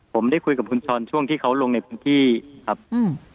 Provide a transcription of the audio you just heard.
ผมได้คุยกับคุณช้อนช่วงที่เขาลงในพื้นที่ครับอืม